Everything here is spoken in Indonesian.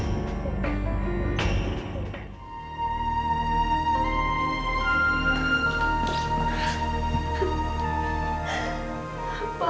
maafin aku pak